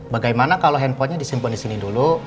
bagaimana kalau handphonenya disimpan di sini dulu